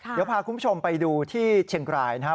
เดี๋ยวพาคุณผู้ชมไปดูที่เชียงรายนะครับ